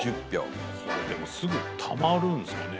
それ、でもすぐたまるんですかね？